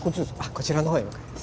こちらの方へ向かいます。